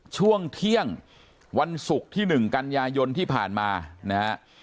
ช่วงเที่ยงวันศุกร์ที่๑กันยายนที่ผ่านมานะฮะ